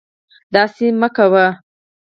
داسې مکوه